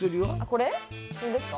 これですか？